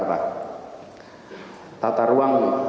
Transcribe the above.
pertama kita akan menyiapkan perbincangan untuk masyarakat